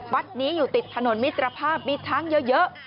วัดนี้อยู่ติดถนนมิตรภาพมีช้างเยอะ